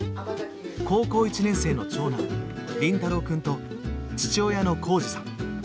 高校１年生の長男凛太郎くんと父親の絋二さん。